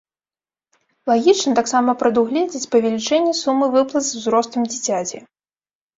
Лагічна таксама прадугледзець павелічэнне сумы выплат з узростам дзіцяці.